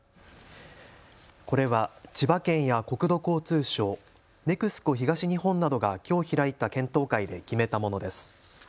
これは千葉県や国土交通省、ＮＥＸＣＯ東日本などがきょう開いた検討会で決めたものです。